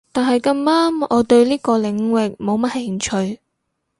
但係咁啱我對呢個領域冇乜興趣